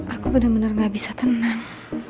aku bener bener gak bisa tenang